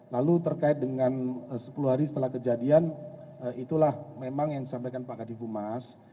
lalu terkait dengan sepuluh hari setelah kejadian itulah memang yang disampaikan pak kadif humas